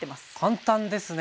簡単ですね。